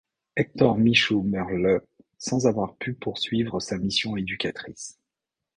Hector Michaut meurt le sans avoir pu poursuivre sa mission éducatrice.